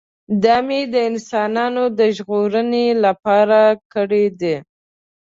دا مې د انسانانو د ژغورنې لپاره کړی دی.